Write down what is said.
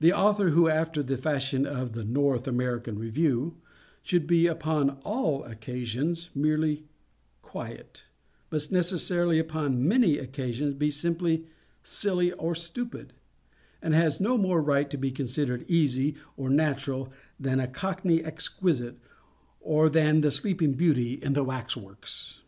The author who, after the fashion of "The North American Review," should be upon _all _occasions merely "quiet," must necessarily upon _many _occasions be simply silly, or stupid; and has no more right to be considered "easy" or "natural" than a Cockney exquisite, or than the sleeping Beauty in the waxworks.